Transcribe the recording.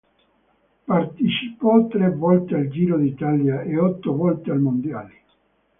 Partecipò tre volte al Giro d'Italia e otto volte ai mondiali.